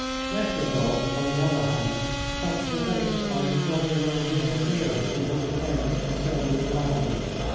Nekhludoff, on the other hand, felt provoked by his brother in law's interference in his affairs concerning the land.